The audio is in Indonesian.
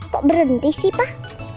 kok berhenti sih pak